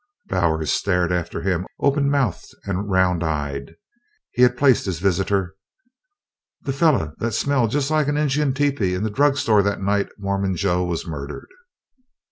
Bowers stared after him open mouthed and round eyed. He had placed his visitor. "The feller that smelled like a Injun tepee in the drug store the night Mormon Joe was murdered!"